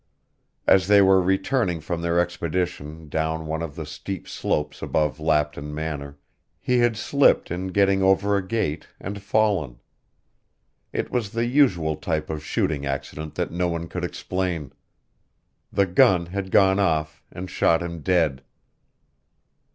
As they were returning from their expedition down one of the steep slopes above Lapton Manor, he had slipped in getting over a gate and fallen. It was the usual type of shooting accident that no one could explain. The gun had gone off and shot him dead.